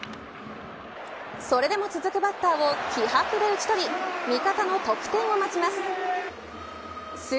それでも続くバッターを気迫で打ち取り味方の得点を待ちます。